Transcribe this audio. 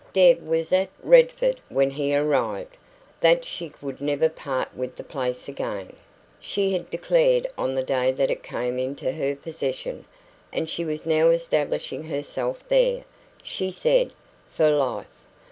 Deb was at Redford when he arrived. That she would never part with the place again, she had declared on the day that it came into her possession, and she was now establishing herself there, she said, for life.